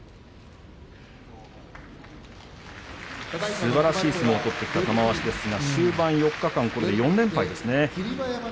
すばらしい相撲を取ってきた玉鷲ですけどもこれで４連敗ですね。